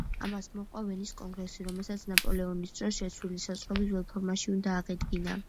ამას მოჰყვა ვენის კონგრესი, რომელსაც ნაპოლეონის დროს შეცვლილი საზღვრები ძველ ფორმაში უნდა აღედგინა.